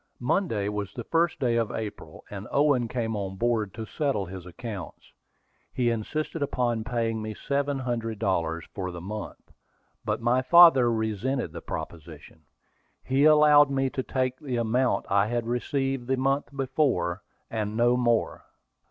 Monday was the first day of April, and Owen came on board to settle his accounts. He insisted upon paying me seven hundred dollars for the month; but my father resented the proposition. He allowed me to take the amount I had received the month before, and no more.